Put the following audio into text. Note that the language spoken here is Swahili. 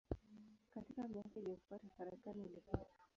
Katika miaka iliyofuata farakano ilikua.